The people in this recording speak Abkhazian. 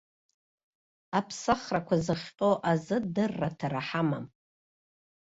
Аԥсахрақәа зыхҟьо азы дырраҭара ҳамам.